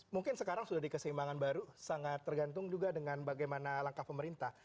mungkin sekarang sudah di keseimbangan baru sangat tergantung juga dengan bagaimana langkah pemerintah